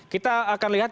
kita akan lihat